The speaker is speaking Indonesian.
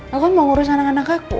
aku mau ngurus anak anak aku